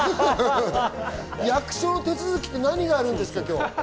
役所の手続きって何があるんですか？